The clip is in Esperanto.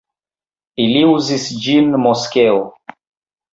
Ili uzis ĝin moskeo.